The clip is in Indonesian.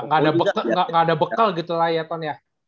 gak ada bekal gitu lah ya ton ya